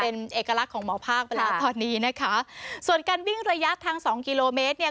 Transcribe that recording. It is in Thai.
เป็นเอกลักษณ์ของหมอภาคไปแล้วตอนนี้นะคะส่วนการวิ่งระยะทางสองกิโลเมตรเนี่ย